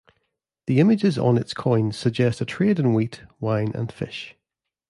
The images on its coins suggest a trade in wheat, wine and fish.